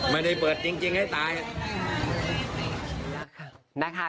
ไม่ได้เปิดจริงให้ตายนะคะ